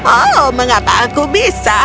oh mengapa aku bisa